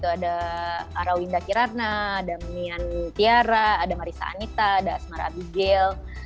ada arawinda kirana ada mian tiara ada marissa anita ada asmara abigail